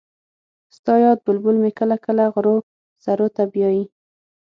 ستا یاد بلبل مې کله کله غرو سرو ته بیايي